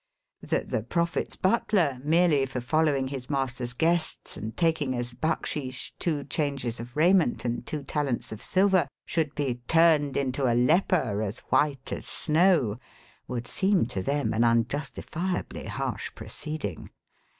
That the prophet's butler, merely for following his master's guests and taking as backsheesh two changes of raiment and two talents of silver, should be turned into a leper as white as snow would seem to them an unjustifiably harsh proceeding.